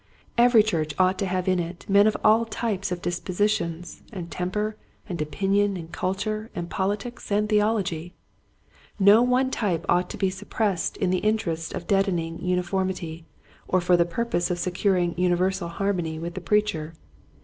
Every church ought to have in it men of all types of disposi tion and temper and opinion and culture and politics and theology. No one type ought to be suppressed in the interest of a deadening uniformity or for the purpose of securing universal harmony with the preacher.